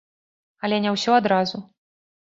Але не ўсё адразу.